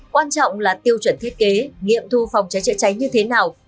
quan trọng là tiêu chuẩn thiết kế nghiệm thu phòng trái trịa cháy như thế nào